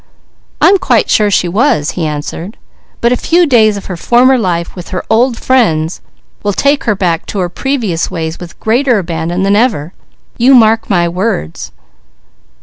"I am quite sure she was," he answered, "but a few days of her former life with her old friends will take her back to her previous ways with greater abandon than ever. You mark my words."